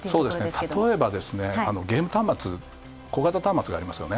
例えば、ゲーム端末、小型端末がありますよね。